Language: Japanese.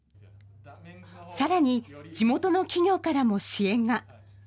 さらに、地元の企業からも支援が。